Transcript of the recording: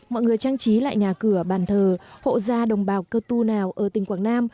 mọi người trang trí lại nhà cửa bàn thờ hộ gia đồng bào cơ tu nào ở tỉnh quảng nam